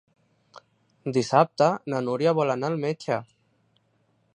Dissabte na Núria vol anar al metge.